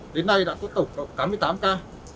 đến nay đã có tổng tám mươi tám ca